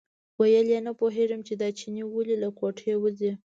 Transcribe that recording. ویل یې نه پوهېږم چې دا چینی ولې له کوټې وځي.